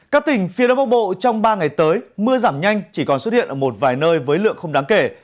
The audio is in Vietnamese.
các tỉnh phía đông bắc bộ trong ba ngày tới mưa giảm nhanh chỉ còn xuất hiện ở một vài nơi với lượng không đáng kể